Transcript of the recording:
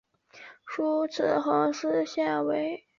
疏齿红丝线为茄科红丝线属下的一个变种。